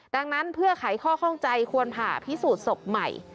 ดังนั้นเพื่อไขข้อข้องใจควรผ่าพิสูจน์ศพใหม่